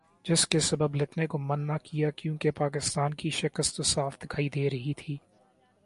جس کے سبب لکھنے کو من نہ کیا کیونکہ پاکستان کی شکست تو صاف دکھائی دے رہی تھی ۔